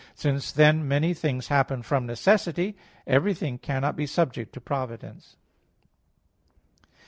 Since, then, many things happen from necessity, everything cannot be subject to providence.